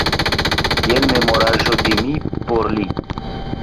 Jen memoraĵo de mi por li.